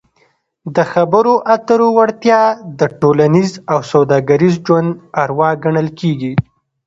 د خبرو اترو وړتیا د ټولنیز او سوداګریز ژوند اروا ګڼل کیږي.